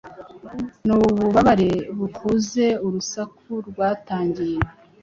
N'ububabare bukaze urusaku rwatangiye